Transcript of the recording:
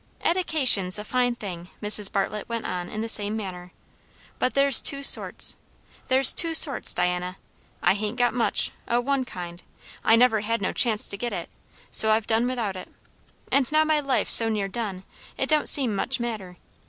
"Edication's a fine thing," Mrs. Bartlett went on in the same manner; "but there's two sorts. There's two sorts, Diana. I hain't got much, o' one kind; I never had no chance to get it, so I've done without it. And now my life's so near done, it don't seem much matter.